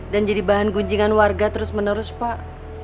dan jadi bahan gunjingan warga terus menerus pak